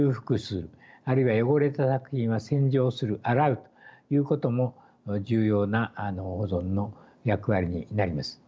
あるいは汚れた作品は洗浄する洗うということも重要な保存の役割になります。